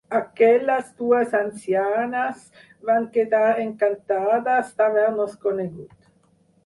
Aquelles dues ancianes van quedar encantades d'haver-nos conegut.